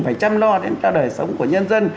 phải chăm lo đến cho đời sống của nhân dân